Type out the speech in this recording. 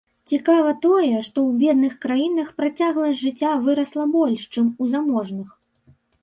Цікава тое, што ў бедных краінах працягласць жыцця вырасла больш, чым у заможных.